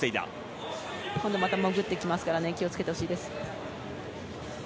また潜ってきますから気を付けてほしいです。